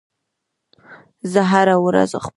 زه هره ورځ خپل کور پاکوم.